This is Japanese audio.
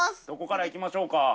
どこからいきましょうか？